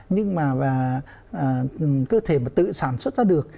nhưng mà cơ thể mà tự sản xuất ra được